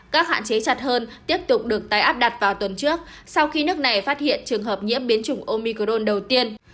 các hạn chế chặt hơn tiếp tục được tái áp đặt vào tuần trước sau khi nước này phát hiện trường hợp nhiễm biến chủng omicron đầu tiên